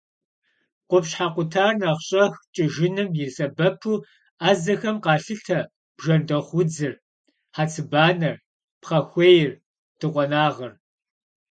Къупщхьэ къутар нэхъ щӏэх кӏыжыным и сэбэпу ӏэзэхэм къалъытэ бжэндэхъу удзыр, хьэцыбанэр, пхъэхуейр, дыкъуэнагъыр.